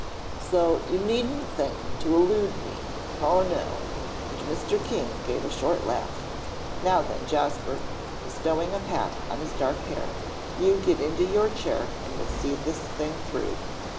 "So you needn't think to elude me, oh, no!" and Mr. King gave a short laugh. "Now, then, Jasper," bestowing a pat on his dark hair, "you get into your chair and we'll see this thing through.